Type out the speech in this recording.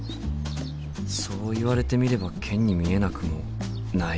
そう言われてみればケンに見えなくもないよな。